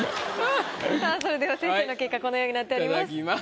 さあそれでは先生の結果このようになっております。